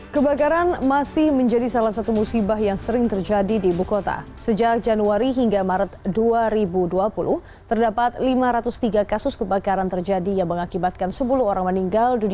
kepala pemadam kebakaran